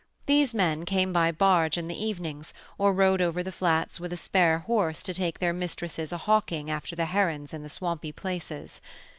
These men came by barge in the evenings, or rode over the flats with a spare horse to take their mistresses a hawking after the herons in the swampy places.